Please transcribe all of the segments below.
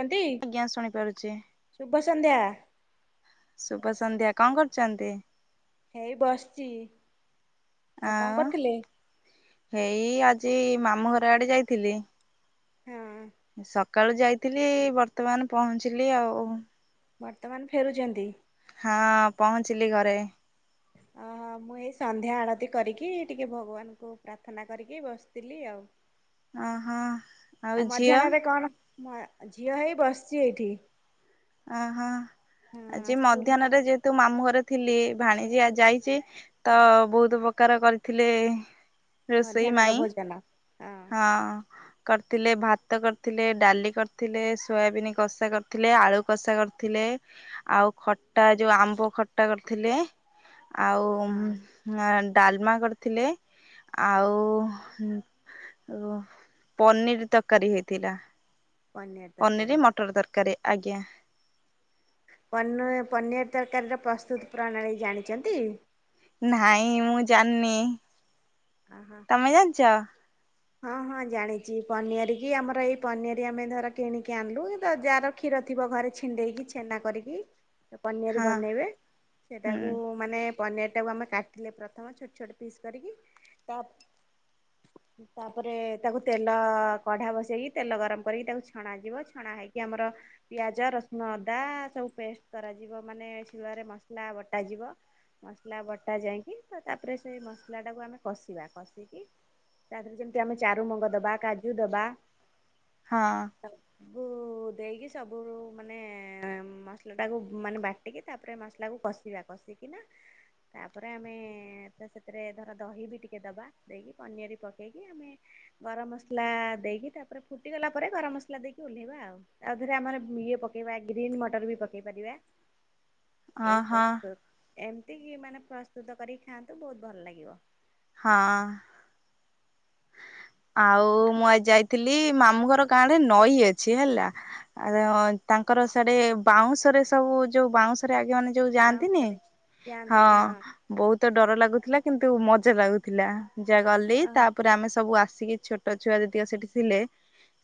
କନ୍ତି ଆଜ୍ଞା ଶୁଣିପାରୁଛି ଶୁଭ ସନ୍ଧ୍ୟା। ଶୁଭ ସନ୍ଧ୍ୟା କଁ କରୁଚନ୍ତି? ଏଇ ବସଚି। ଏଇ ଆଜି ମାମୁଁ ଘର ଆଡେ ଯାଇଥିଲି। ହୁଁ। ସକାଳୁ ଯାଇଥିଲି। ବର୍ତ୍ତମାନ ପହଁଞ୍ଚିଲି ଆଉ। ବର୍ତ୍ତମାନ ଫେରୁଚନ୍ତି। ହଁ ପହଁଞ୍ଚିଲି ଘରେ। ମୁଁ ଏଇ ସନ୍ଧ୍ୟା ଆଳତି କରିକି ଟିକେ ଭଗବାନଙ୍କୁ ପ୍ରାର୍ଥନା କରିକି ବସଥିଲି ଆଉ। ଓହୋ ଆଉ ମଧ୍ୟାହ୍ନରେ କଣ? ମ ଝିଅ ହେଇ ବସଚି ଏଇଠି। ଅହଃ ହଁ ଆଜି ସ୍କୁଲର ମଧ୍ୟାହ୍ନରେ ଯେହେତୁ ମାମୁଁ ଘରେ ଥିଲି ଭାଣିଜି ଆଜି ଯାଇଚି ତ ବହୁତ ପ୍ରକାର କରଥିଲେ। ରୋଷେଇ ମଧ୍ୟାହ୍ନର ମାଇଁ ଭୋଜନ ହଁ। କରଥିଲେ ଭାତ କରଥିଲେ ଡାଲି କରଥିଲେ ସୋୟାବିିନ କଷା କରଥିଲେ ଆଳୁ କଷା କରଥିଲେ ଆଉ ଖଟା ଯୋଉ ଆମ୍ବ ଖଟା କରଥିଲେ। ଆଉ। ହଁ ଆ ଡାଲମା କରଥିଲେ ଆଉ ଓ ପନିରି ତରକାରୀ ହେଇଥିଲା। ପନିର ପନିରି ତରକାରୀ। ମଟର ତରକାରୀ ଆଜ୍ଞା। ପନ୍ୟୁଏ ପନିୟରି ତରକାରୀର ପ୍ରସ୍ତୁତ୍ ପ୍ରଣାଳୀ ଜାଣିଚନ୍ତି। ନାହିଁ ମୁଁ ଜାନି। ଓହୋ। ତମେ ଜାଣିଛ? ହଁ ହଁ ଜାଣିଛି ପନିର କି ଆମର ଏଇ ପନିର ଆମେ ଧର କିଣିକି ଆଣିଲୁ ଦ ଯାଆର କ୍ଷୀର ଥିବ ଘରେ ଛିଣ୍ଡେଇକି ଛେନା କରିକି ପନିର ହଁ ବନେଇବେ ହୁଁ ସେଟାକୁ। ମାନେ ପନିରଟାକୁ ଆମେ କାଟିଲେ ପ୍ରଥମେ ଛୋଟ ଛୋଟ ପିସ୍ କରିକି ତା। ତାପରେ ତାକୁ ତେଲ କଢା ବସେଇକି ତେଲ ଗରମ କରିକି ତାକୁ ଛଣା ଯିବ ଛଣା ହେଇକି ଆମର। ପିଆଜ ରସୁଣ ଅଦା ସବୁ ପେଷ୍ଟ କରାଯିବ ମାନେ ଶିଳରେ ମସଲା ବଟାଯିବ। ମସଲା ବଟା ଯାଇକି ତ ତାପରେ ସେଇ ମସଲାଟାକୁ ଆମେ କଷିବା କଷିକି। ତାପରେ ଯେମିତି ଆମେ ଚାରୁମଗଜ ଦବା କାଜୁ ଦବା। ହଁ। ତାକୁ। ଦେଇକି ସବୁ ମାନେ ମସଲାଟାକୁ ମାନେ ବାଟିକି ତାପରେ ମସଲାକୁ କଷିବା କଷିକି। କିନା ତାପରେ ଆମେ ସେଥିରେ ଧର ଦହି ବି ଟିକେ ଦେବା ଦେଇକି ପନିର ପ ପକେଇକି ଆମେ ଗରମ ମସଲା ଦେଇକି ତାପରେ ଫୁଟିଗଲା ପରେ ଗରମ ମସଲା ଦେଇକି ଓହ୍ଲାଇବା ଆଉ। ତାପରେ ଆମର ଇଏ ପକେଇବା ଗ୍ରୀନ୍ ମଟର ବି ପକେଇ ପାରିବା। ହଁ ଏଇ ହଁ ପ୍ରସ୍ତୁତ ଏମିତି କି ମାନେ ପ୍ରସ୍ତୁତ କରିକି ଖାଆନ୍ତୁ ବହୁତ ଭଲ ଲାଗିବ। ହଁ। ଆଉ ମୁଁ ଆଜି ଯାଇଥିଲି ମାମୁଁ ଘର ଗାଁରେ ନଈ ଅଛି ହେଲା। ଆ ତାଙ୍କର ସେଇଆଡେ ବାଉଁଶରେ ସବୁ ଯୋଉ ବାଉଁଶ। ଆଗ ମାନେ ଯୋଉ ଯାଆନ୍ତିନି ପାଉଁଶରେ ହଁ। ବହୁତ ଡର ଲାଗୁଥିଲା କିନ୍ତୁ ମଜା ଲାଗୁଥିଲା ଯାହା ଗଲି ହଁ ତା ତାପରେ ଆମେ ସବୁ ଆସିକି ଛୋଟ ଛୁଆ ଯେତିକ ସେଠି ଥିଲେ।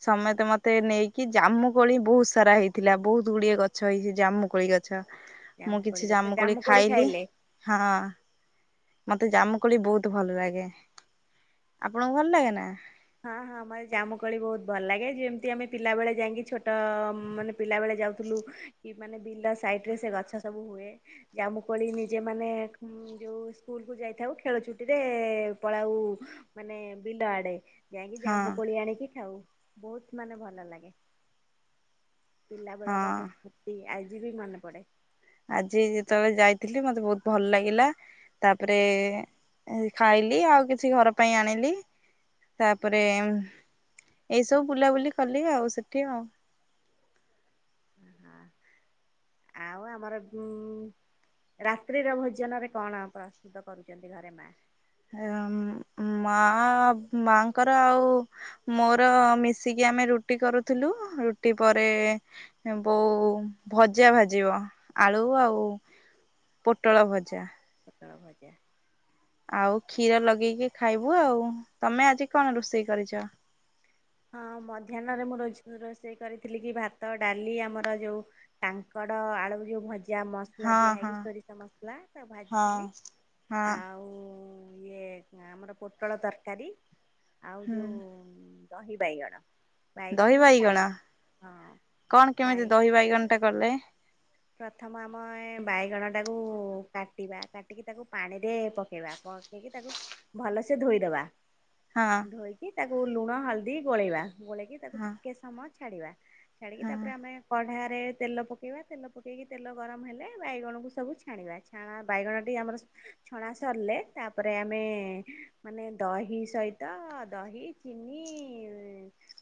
ସମେତେ ମତେ ନେଇକି ଜାମୁ କୋଳି ବହୁତ ସାରା ହେଇଥିଲା ବହୁତ ଗୁଡିଏ ଗଛ ହେଇଛି ଜାମୁକୋଳି ଗଛ। ଆଛା ମୁଁ ଜାମୁକୋଳି କିଛି ଗଛ ଜାମୁକୋଳି ଖାଇଲି। ଖାଇଲେ ହଁ ମତେ ଜାମୁକୋଳି ବହୁତ ଭଲ ଲାଗେ। ଆପଣଙ୍କୁ ଭଲ ଲାଗେ ନା? ହଁ ହଁ ଆମର ଜାମୁକୋଳି ବହୁତ ଭଲ ଲାଗେ ଯେମିତି ଆମେ ପିଲା ବେଳେ ଯାଇକି ଛୋଟ ମାନେ। ପିଲା ବେଳେ ଯାଉଥିଲୁ କି ମାନେ ବିଲ ସାଇଟରେ ସେ ଗଛ ସବୁ ହୁଏ। ଜାମୁକୋଳି ନିଜେ ମାନେ ଯୋଉ ସ୍କୁଲ କୁ ଯାଇଥାଉ ଖେଳଛୁଟିରେ ପଳାଉ। ମାନେ ବିଲ ଆଡେ। ଯାଇକି ହଁ ଜାମୁ କୋଳି ଆଣିକି ଖାଉ ବହୁତ ମାନେ ଭଲ ଲାଗେ। ପିଲାବେଳର ହଁ। ସେ ସ୍ମୃତି ଆଜି ବି ମନେ ପଡେ। ଆଜି ଯେତେବେଳେ ଯାଇଥିଲି ମତେ ବହୁତ ଭଲ ଲାଗିଲା। ତାପରେ ଖାଇଲି ଆଉ କିଛି ଘର ପାଇଁ ଆଣିଲି। ତାପରେ ଏଇସବୁ ବୁଲାବୁଲି କଲି ଆଉ ସେଠି ଆଉ। ହଁ ଆଉ ଆମର ଉ ରାତ୍ରିର ଭୋଜନରେ କଣ ପ୍ରସ୍ତୁତ କରୁଛନ୍ତି ଘରେ ମା? ମା ମାଙ୍କର ଆଉ ମୋର ମିଶିକି ଆମେ ରୁଟି କରୁଥିଲୁ ରୁଟି ପରେ। ବୋଉ ଭଜା ଭାଜିବ ଆଳୁ ଆଉ ପୋଟଳ ଭଜା। ପୋଟଳ ଭଜା। ଆଉ କ୍ଷୀର ଲଗେଇକି ଖାଇବୁ ଆଉ ତମେ ଆଜି କଣ ରୋଷେଇ କରିଛ? ହଁ ମଧ୍ୟାହ୍ନରେ ମୁଁ ର ରୋଷେଇ କରିଥିଲି କି ଭାତ ଡାଲି ଆମର ଯୋଉ କାଙ୍କଡ ଆଳୁକୁ ଯୋଉ ଭଜା ମସଲା ହଁ ଦିଆ ହଁ ହେଇକି ସୋରିଷ ମସଲା ତାକୁ ହଁ ଭାଜିଥିଲି। ହଁ ଆଉ ଇଏ ଆମର ପୋଟଳ ତରକାରୀ ଆଉ ହୁଁ ଯୋଉ ଦହି ବାଇଗଣ। ଦହି ବାଇଗଣକୁ ଛାଣେ ବାଇଗଣ ହଁ କଣ ବାଇ କେମିତି ଦହି ବାଇଗଣଟା କଲେ। ପ୍ରଥମ ଆମ ଏ ବାଇଗଣଟାକୁ କାଟିବା କାଟିକି ତାକୁ ପାଣିରେ ପକେଇବା ପ ପକେଇକି ତାକୁ ଭଲସେ ଧୋଇଦବା। ହଁ ଧୋଇକି ତାକୁ ଲୁଣ ହଳଦୀ ଗୋଳେଇବା ଗୋଳେଇକି ତାକୁ ହଁ ଟିକେ ସମୟ ଛାଡିବା। ଛାଡିକି ହଁ ତାପରେ ଆମେ କଢାରେ ତେଲ ପକେଇବା ତେଲ ପ ଟିକ ତେଲ ଗରମ ହେଲେ ବାଇଗଣକୁ ସବୁ ଛାଣିବା ଛାଣା ବାଇଗଣଟି ଆମର ଛଣା ସରିଲେ ତାପରେ ଆମେ ମାନେ ଦହି ସହିତ ଦହି ଚିନି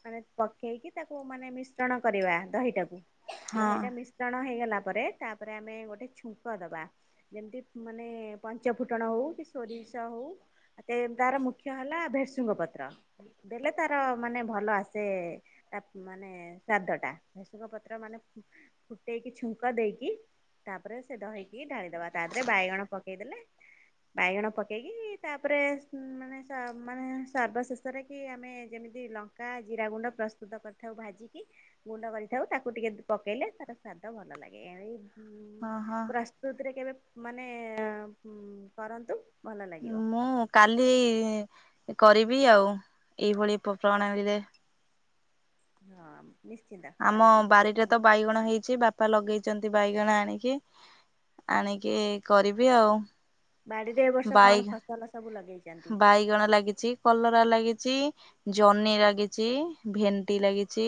ମାନେ ପକେଇକି ତାକୁ ମାନେ ମିଶ୍ରଣ କରିବା ଦହିଟାକୁ। ହଁ ଦହିଟା ମିଶ୍ରଣ ହେଇଗଲା ପରେ ତାପରେ ଆମେ ଗୋଟେ ଛୁଙ୍କ ଦବା।। ଯେମିତି ମାନେ ପଞ୍ଚ ଫୁଟଣ ହଉ କି ସୋରିଷ ହଉ [unintelligible] ତାର ମୁଖ୍ୟ ହେଲା ଭେସୁଙ୍ଗ ପତ୍ର। ପକେଇଲେ ତାର ମାନେ ଭଲ ଆସେ ତା ମାନେ ସ୍ୱାଦ ଟା। ଭେସୁଗାଁ ପତ୍ର ମାନେ ଫୁଟେଇକି ଛୁ ଙ୍କ ଦେଇକି ତାପରେ ସେ ଦହିକି ଢାଳିଦବା ତା ଦେହରେ ବାଇଗଣ ପକେଇଦଲେ ବାଇଗଣ ପକେଇକି ତାପରେ ମ୍ ମାନେ ସ ମାନେ ସର୍ବଶେଷ ତାରା କି ଆମେ ଯେମିତି ଲଙ୍କା ଜିରା ଗୁଣ୍ଡ ପ୍ରସ୍ତୁତ କରିଥାଉ ଭାଜିକି ଗୁଣ୍ଡ ମରିଚ ତାକୁ ଟିକେ ପକେଇଲେ ତାର ସ୍ଵାଦ ଭଲ ଲାଗେ। ଏଇ ଉମ ହଁ ହଁ ପ୍ରସ୍ତୁତିରେ କେବେ ମାନେ ଉମ କରନ୍ତୁ। ଭଲ ଲାଗିବ। ମୁଁ କାଲି କରିବି ଆଉ ଏଇଭଳି ପ୍ର [unintelligible] ହଁ। ନିଶ୍ଚିନ୍ତ ଆମ କରିକି ବାରିଟେ ତ ବାଇଗଣ ହେଇଛି ବା ବାପା ଲଗେଇଛନ୍ତି ବାଇଗଣ ଆଣିକି, ଆଣିକି କରିବି ଆଉ। ବାଡିରେ ଏ ବର୍ଷ ବାଇ କଣ ଫସଲ ସବୁ ଲଗେଇଛ? ବାଇଗଣ ଲାଗିଚି କଲରା ଲାଗିଚି। ଜହ୍ନି ଲାଗିଚି, ଭେଣ୍ଟି ଲାଗିଚି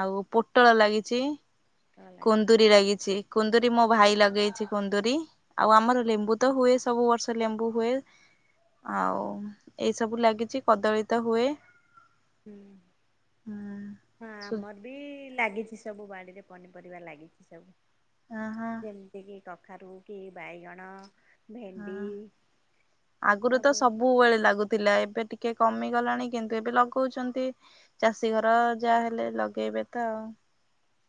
ଆଉ ପୋଟଳ ଲାଗିଚି। ହଁ କୁନ୍ଦୁରି ଲାଗିଛି କୁନ୍ଦୁରି ମୋ ଭାଇ ଲଗେଇଛି କୁନ୍ଦୁରି। ଆଉ ଆମର ଲେମ୍ବୁ ତ ହୁଏ ସବୁ ବର୍ଷ ଲେମ୍ବୁ ହୁଏ। ଆଉ ଏଇ ସବୁ ଲାଗିଛି କଦଳୀ ତ ହୁଏ। ହୁଁ। ହୁଁ। ହଁ ସୁ ଆମର ବି ଲାଗିଛି ସବୁ ବାଡ଼ିରେ ପନିପରିବା ଲାଗିଚି ସବୁ। ଆହାଃ। ଯେମିତି କି କଖାରୁ କି ବାଇଗଣ ହଁ ଭେଣ୍ଡି ଆଗରୁ ତ ସବୁ ସବୁବେଳେ ଲାଗୁଥିଲା ଏବେ ଟିକେ କମିଗଲାଣି କିନ୍ତୁ ଏବେ ଲଗଉଚନ୍ତି। ଚାଷୀ ଘର ଯାହା ହେଲେ ଲଗେଇବେ ତ ଆଉ।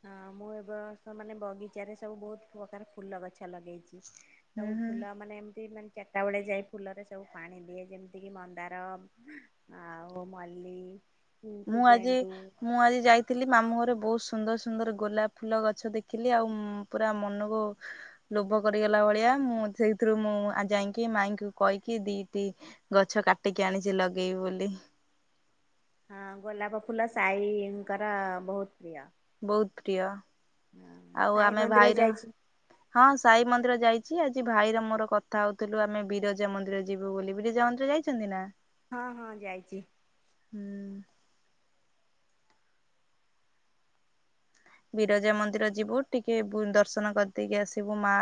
ହଁ ମୁଁ ଏ ବର୍ଷ ମାନେ ବଗିଚାରେ ସବୁ ବହୁତ ପ୍ରକାର ଫୁଲ ଗଛ ଲଗେଇଚି। ହୁଁ ସବୁ ହୁଁ ଫୁଲ ମାନେ ଏମିତି ମାନେ ଚାରିଟା ବେଳେ ଯାଇ ଫୁଲରେ ସବୁ ପାଣି ଦିଏ ଯେମିତିକି ମନ୍ଦାର ଆଉ ମଲ୍ଲୀ ମୁଁ ଆଜି ମୁଁ ଆଜି ଯାଇ ଥିଲି ମାମୁଁ ଘରେ ବହୁତ ସୁନ୍ଦର ସୁନ୍ଦର ଗୋଲାପ ଫୁଲ ଗଛ ଦେଖିଲି ଆଉ ଉ ପୁରା ମନକୁ ଲୋଭ କରିଗଲା ଭଳିଆ ମୁଁ ସେଇଥିରୁ ମୁଁ ଯାଇଁକି ମାଇଁଙ୍କୁ କହିକି ଦିଦି ଗଛ କାଟିକି ଆଣିଚି ଲଗେଇବି ବୋଲି। ହଁ ଗୋଲାପ ଫୁଲ ସାଇ ଙ୍କର ବହୁତ ପ୍ରିୟ। ବହୁତ୍ ପ୍ରିୟ ହଁ ଆଉ ସାଇ ଆମେ ମନ୍ଦିର ଭାଇର ଯାଇଛି ହଁ ସାଇ ମନ୍ଦିର ଯାଇଚି ଆଜି ଭାଇର ମୋର କଥା ହଉଥିଲୁ ଆମେ ବିରଜା ମନ୍ଦିର ଯିବୁ ବୋଲି ବିରଜା ମନ୍ଦିର ଯାଇ ଚନ୍ତି ନା? ହଁ-ହଁ ଯାଇଚି। ହୁଁ। ବିରଜା ମନ୍ଦିର ଯିବୁ ଟିକେ [unintelligible] ଦର୍ଶନ କରିଦେଇକି ଆସିବୁ ମା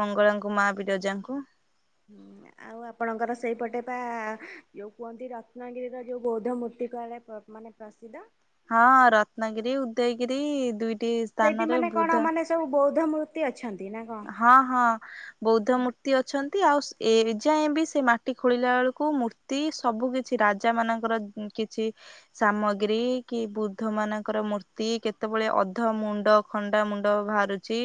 ମଙ୍ଗଳାଙ୍କୁ ମା ବିରଜାଙ୍କୁ ହୁଁ। ଆଉ ଆପଣଙ୍କର ସେଇପଟେ ବା ଯୋଉ କୁହନ୍ତି ରତ୍ନଗିରିର ଯୋଉ ବୌଦ୍ଧ ମୂର୍ତ୍ତି କୁଆଡ଼େ [unintelligible] ମାନେ ପ୍ରସିଦ୍ଧ। ହଁ ରତ୍ନଗିରି ଉଦୟଗିରି ଦୁଇଟି ସେଇଠି ସ୍ଥାନରେ ମାନେ କଣ ବୁଦ୍ଧ ମାନେ ସବୁ ବୌଦ୍ଧମୂ [unintelligible] ଅଛନ୍ତି ନା କଣ? ହଁ-ହଁ ବୌଦ୍ଧ ମୁ ମୂର୍ତ୍ତି ଅଛନ୍ତି ଆଉ ଏ ଯାଏଁ ବି ସେ ମାଟି ଖୋଳିଲା ବେଳକୁ ମୂର୍ତ୍ତି ସବୁ କିଛି ରାଜା ମାନଙ୍କର କିଛି ସାମଗ୍ରୀ କି ବୃଦ୍ଧ ମାନଙ୍କର ମୂର୍ତ୍ତି କେତବେଳେ ଅଧ ମୁଣ୍ଡ ଖଣ୍ଡା ମୁଣ୍ଡ ବାହାରୁ ଚି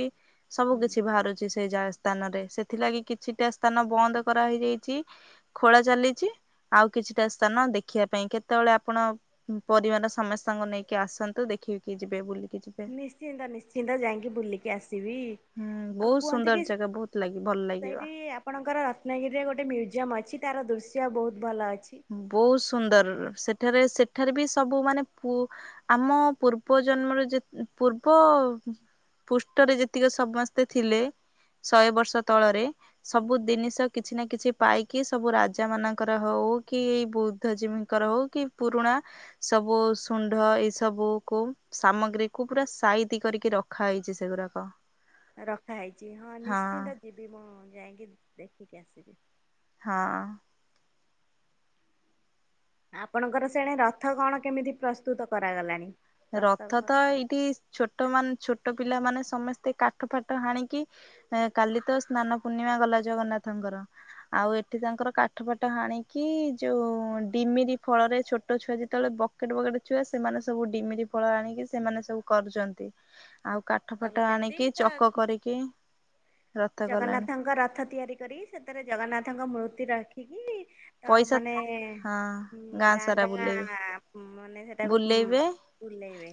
ସବୁ [unintelligible] ବାହାରୁଚି ସେଇ ଯା ସ୍ଥାନ ରେ ସେଥିଲାଗି କିଛିଟା ସ୍ଥାନ ବନ୍ଦ କରା ହେଇଯାଇଚି। ଖୋଳା ଚାଲିଚି ଆଉ କିଛିଟା ସ୍ଥାନ ଦେଖିବା ପାଇଁ କେତବଳେ ଆପଣ ପରିବାର ସମସ୍ତଙ୍କୁ ନେଇକି ଆସନ୍ତୁ ଦେଖିକି ଯିବେ ବୁଲିକି [unintelligible] ନିଶ୍ଚିନ୍ତ-ନିଶ୍ଚିନ୍ନ୍ତ ଯାଇଁକି ବୁଲିକି ଆସିବି। ହୁଁ ଆଉ ବହୁତ କୁହନ୍ତି ସୁନ୍ଦର କି ଜାଗା ବହୁତ ଲାଗି ଭଲ ଲାଗିବ। ସେଇଠି ଆପଣଙ୍କର ରତ୍ନାଗିରିରେ ଗୋଟେ ମ୍ୟୁଜିୟମ୍ ଅଛି ତାର ଦୃଶ୍ୟ ବହୁତ୍ ଭଲ ଅଛି। ବହୁତ୍ ସୁନ୍ଦର ସେଠାରେ ସେଠାରେ ବି ସବୁ ମାନେ ପୁ ଆମ ପୂର୍ବ ଜନ୍ମର ଯେ ପୂର୍ବ ପୃଷ୍ଠରେ ଯେତିକି ସମସ୍ତେ ଥିଲେ ଶହେ ବର୍ଷ ତଳରେ ସବୁ ଜିନିଷ କିଛି ନା କିଛି ପାଇକି ସବୁ ରାଜା ମାନଙ୍କର ହଉ କି ଏଇ ବୁଦ୍ଧ ଜୀବୀଙ୍କର ହଉ କି ପୁରୁଣା ସବୁ ଶୁଣ୍ଡ ଏଇ ସବୁ କୁ ସାମଗ୍ରୀ କୁ ପୁରା ସାଇତି କରିକି ର ଖାଇଚି ସେଗୁରାକ। ରଖାହେଇଚି ହଁ ନିଶ୍ଚିନ୍ତ ଯିବି ମୁଁ ଯାଇଁକି ଦେଖିକି ଆସିବି। ହଁ। ଆପଣଙ୍କର ସେଣେ ରଥ କଣ କେମିତି ପ୍ରସ୍ତୁତ କରାଗଲାଣି? ପ୍ରସ୍ତାବ ରଥ ତ ଏଇଠି ଛୋଟ ମାନ୍ ଛୋଟ ପିଲାମାନେ ସମସ୍ତେ କାଠ ଫାଠ ହାଣିକି କାଲି ତ ସ୍ନାନ ପୂର୍ଣ୍ଣିମା ଗଲା ଜଗନ୍ନାଥଙ୍କର। ଆଉ ଏଠି ତାଙ୍କର କାଠ ପାଠ ହାଣିକି ଯୋଉ ଡିମିରି ଫଳରେ ଛୋଟ ଛୁଆ ଯେତବଳେ ବକେଟେ-ବକେଟେ ଛୁଆ ସେମାନେ ସବୁ ଡିମିରି ଫଳ ଆଣିକି ସେମାନେ ସବୁ କରୁଚନ୍ତି। ଆଉ କାଠ ଫାଠ କରୁଛନ୍ତି ଆଣିକି ତ ଚକ କରିକି ରଥ କଲାଣି ଜଗନ୍ନାଥଙ୍କ ରଥ ତିଆରି କରି ସେଥିରେ ଜଗନ୍ନାଥଙ୍କ ମୂର୍ତ୍ତି ରଖିକି ତ ପଇସା ମାନେ ହଁ ହୁଁ ଗାଁ ସାରା ବୁଲେଇବେ ଗାଁ-ଗାଁ ମାନେ ସେଟାକୁ ବୁଲେଇବେ ବୁଲେଇବେ।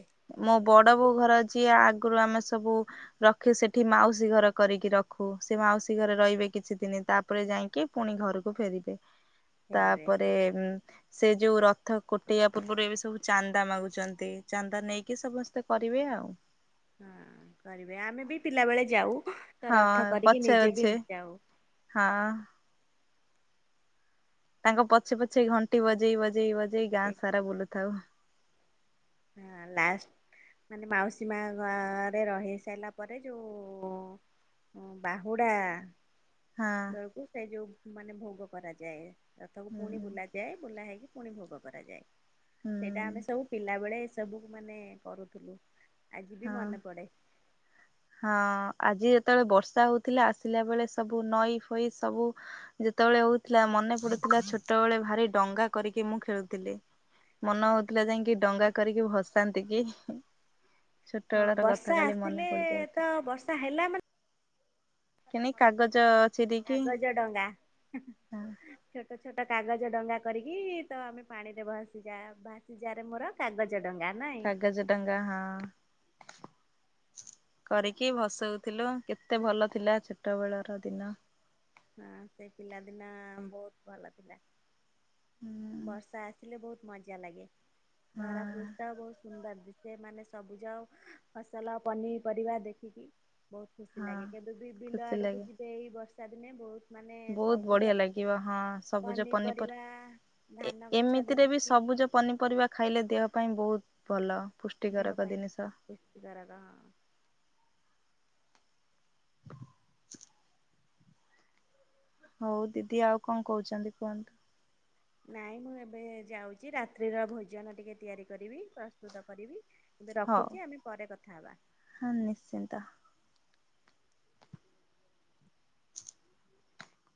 ମୋ ବଡ ବୋଉ ଘର ଯିଏ ଆଗରୁ ଆମେ ସବୁ ରଖେ ସେଠି ମାଉସୀ ଘର କରିକି ରଖୁ ସେ ମାଉସୀ ଘରେ ରହିବେ କିଛି ଦିନ ତାପରେ ଯାଇଁକି ପୁଣି ଘରକୁ ଫେରିବେ, ଫେରିବେ ତାପରେ ସେ ଯୋଉ ରଥ କୁଟେଇବା ପୂର୍ବରୁ ଏବେ ସବୁ ଚାନ୍ଦା ମାଗୁଛନ୍ତି, ଚାନ୍ଦା ନେଇକି ସମସ୍ତେ କରିବେ ଆଉ। ହଁ କରିବେ ଆମେ ବି ପିଲାବେଳେ ଯାଉ ତ ହଁ ରଥ କରିକି ନିଜେ ବି ଯାଉ। ହଁ-ଅଁ। ତାଙ୍କ ପଛେ ପଛେ ଘଣ୍ଟି ବଜେଇ ବଜେଇ ବଜେଇ ଗାଁ ସାରା ବୁଲୁଥାଉ। ହଁ ଲାଷ୍ଟ୍। ମାନେ ମାଉସୀ ମା ଗାଁରେ ରହିସାରିଲା ପରେ ଯେଉଁ ହ ବାହୁଡ଼ା। ହଁ। ସେ ଯୋଉ ମାନେ ଭୋଗ କରାଯାଏ, ରଥକୁ ପୁଣି ହୁଁ ବୁଲାଏ ଯାଏ ବୁଲା ହେଇକି ପୁଣି ଭୋଗ କରାଯାଏ। ହୁଁ ସେଇଟା ଆମେ ସବୁ ପିଲା ବେଳେ ସବୁକୁ ମାନେ କରୁଥିଲୁ ଆଜି ବି ହଁ। ମନେ ପଡ଼େ। ହଁ ଆଜି ଯେତେବେଳେ ବର୍ଷା ହଉଥିଲା ଆସିଲା ବେଳେ ସବୁ ନଈ ଫଇ ସବୁ। ଯେତେବେଳେ ହଉଥିଲା ମନେ ପଡୁଥିଲା ଛୋଟବେଳେ ଭାରି ଡଙ୍ଗା କରିକି ମୁଁ ଖେଳୁଥିଲି। ମନ ହଉଥିଲା ଯାଇକି ଡଙ୍ଗା କରିକି ଭସାନ୍ତି କି। ଛୋଟ ହଁ ବେଳ ର କଥା ବର୍ଷା କାଲି ମନେ ଆସିଲେ ପଡିଯାଉ ତ ବର୍ଷା ହେଲା ମାନେ କିଣି କାଗଜ ଚିରି କିି କାଗଜ ଡଙ୍ଗା ଛୋଟ ଛୋଟ କାଗଜ ଡଙ୍ଗା କରିକି ତ ଆମେ ପାଣି ରେ ଭସିଯା ଭାସିଯାରେ ମୋର। କାଗଜ ଡଙ୍ଗା ନାଇଁ। କାଗଜ ଡଙ୍ଗା ହଁ। କରିକି ଭସଉଥିଲୁ କେତେ ଭଲ ଥିଲା ଛୋଟ ବେଳ ର ଦିନ। ହଁ ସେ ପିଲାଦିନ ବହୁତ୍ ଭଲ ଥିଲା। [inaudible] ବର୍ଷା ଆସିଲେ ବହୁତ୍ ମଜା ଲାଗେ ଭାରା ହଁ ପୃଷ୍ଠା ବହୁତ୍ ସୁନ୍ଦର ଦିଶେ ମାନେ ସବୁଜଉ ଫସଲ ପନିପରିବା ଦେଖିକି। ବହୁତ୍ ଖୁସି ହଁ ଲାଗେ କେବେ ବି ବିଲ ଖୁସି ଆଡ଼କୁ ଯିବେ ଏଇ ବର୍ଷା ଦିନେ ବହୁତ୍ ବହୁତ୍ ବଢିଆ ଲାଗିବ ହଁ ସବୁଜ ପନିପରିବା ପନିପରିବା। ଧାନ ଗଛ ଏ-ଏମିତିରେ ବି ଦେଖିକି ସବୁଜ ପନିପରିବା ଖାଇଲେ ଦେହ ପାଇଁ ବହୁତ୍ ଭଲ ଦେହ ପୁଷ୍ଟିକାରକ ପାଇଁ ଜିନିଷ। [unintelligible] [inaudible] ହଉ ଦିଦି ଆଉ କଣ କହୁଛନ୍ତି କୁହନ୍ତୁ। ନାଇଁ ମୁଁ ଏବେ ଯାଉଛି ରାତ୍ରିର ଭୋଜନ ଟିକେ ତିଆରି କରିବି ପ୍ରସ୍ତୁତ କରିବି। ଏବେ ହଉ ରଖୁଛି ଆମେ ପରେ କଥା ହବା। ହଁ ନିଶ୍ଚିନ୍ତ।